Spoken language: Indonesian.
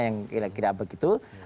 yang kira kira begitu